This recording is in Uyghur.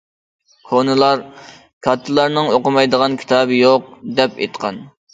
كونىلار« كاتتىلارنىڭ ئوقۇمايدىغان كىتابى يوق» دەپ ئېيتقان.